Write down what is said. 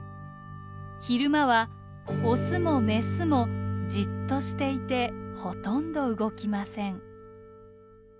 昼間はオスもメスもじっとしていてほとんど動きません。